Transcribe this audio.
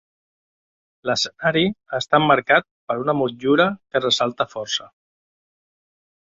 L'escenari està emmarcat per una motllura que ressalta força.